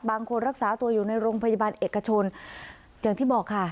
บางคนรักษาตัวอยู่ในโรงพยาบาลเอกชนอย่างที่บอกค่ะ